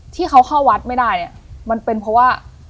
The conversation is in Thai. ที่เขาเข้าวัดไม่ได้เนี่ยมันเป็นเพราะว่า